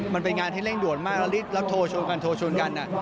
มันเป็นงานที่เร่งด่วนมากแล้วโทรชวนกันโทรชวนกัน